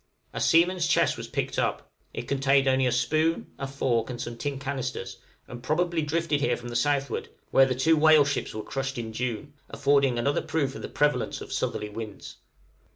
A seaman's chest was picked up; it contained only a spoon, a fork, and some tin canisters, and probably drifted here from the southward, where the two whale ships were crushed in June, affording another proof of the prevalence of southerly winds.